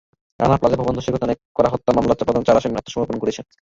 Rana Plaza ভবন ধসের ঘটনায় করা হত্যা মামলায় চার আসামি আত্মসমর্পণ করেছেন।